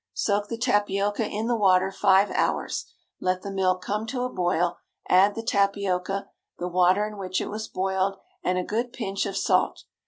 Soak the tapioca in the water five hours. Let the milk come to a boil; add the tapioca, the water in which it was boiled, and a good pinch of salt.